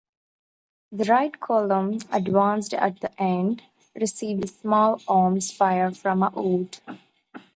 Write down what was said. The Right Column advanced at and received small-arms fire from a wood.